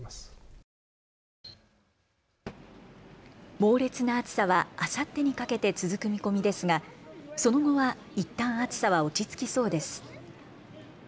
猛烈な暑さはあさってにかけて続く見込みですが、その後はいったん暑さは落ち着きそうです。